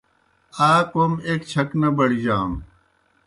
آ کوْم ایْک چھک نہ بڑِجانوْ۔